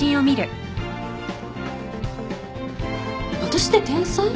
私って天才？